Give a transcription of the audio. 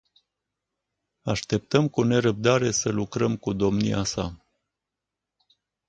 Așteptăm cu nerăbdare să lucrăm cu domnia sa.